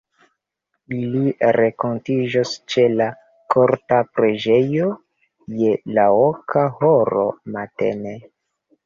Ili renkontiĝos ĉe la Korta Preĝejo je la oka horo matene.